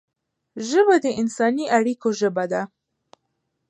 ژبه د انساني اړیکو ژبه ده